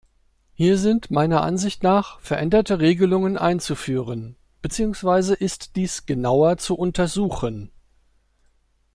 Hier sind meiner Ansicht nach veränderte Regelungen einzuführen, beziehungsweise ist dies genauer zu untersuchen.